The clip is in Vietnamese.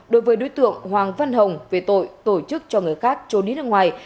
đối với đối tượng hoàng văn hồng về tội tổ chức cho người khác trốn đi nước ngoài